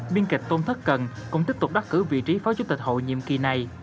biên kịch tôn thất cần cũng tiếp tục đắc cử vị trí phó chủ tịch hội nhiệm kỳ này